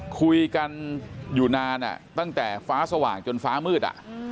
คุยกันอยู่นานตั้งแต่ฟ้าสว่างจนฟ้ามืด